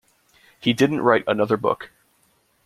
He didn't write another book.